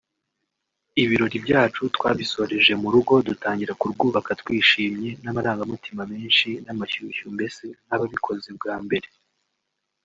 Ibirori byacu twabisoreje mu rugo dutangira kurwubaka twishimye n’amarangamutima menshi n’amashyushyu mbese nk’ababikoze bwa mbere